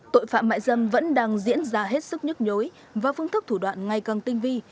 tội phạm mại dâm vẫn đang diễn ra hết sức nhức nhối và phương thức thủ đoạn ngày càng tinh vi